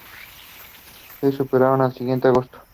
Se separaron el siguiente agosto.